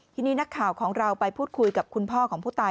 ทีนี้นักข่าวของเราไปพูดคุยกับคุณพ่อของผู้ตาย